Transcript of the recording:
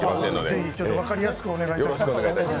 ぜひ分かりやすくお願いします。